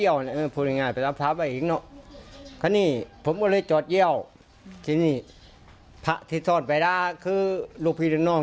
ยังไม่ได้เกษตรเลยผ่าติดส่วนไปด้านนึง